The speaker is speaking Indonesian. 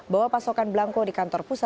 bahwa pasokan belangko di kantornya tidak ada